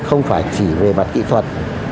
không phải chỉ về mặt kỹ thuật